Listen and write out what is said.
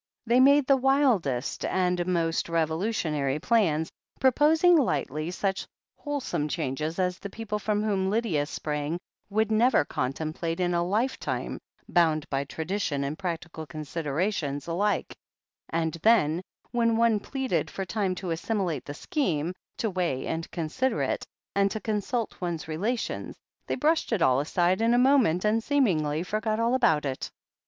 They made the wildest and most revolutionary plans, proposing lightly such wholesale changes as the people from THE HEEL OF ACHILLES 243 whom Lydia sprang would never contemplate in a life time bound by tradition and practical considerations alike, and then, when one pleaded for time to assimilate the scheme, to weigh and consider it, and to consult one's relations, they brushed it all aside in a moment and seemingly forgot all about it